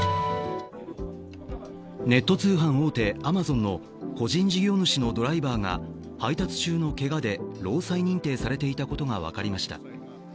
ネット通販大手・アマゾンの個人事業主のドライバーが、配達中のけがで労災認定されていたことが分かりました。